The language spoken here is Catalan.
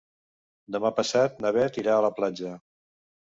Demà passat na Bet irà a la platja.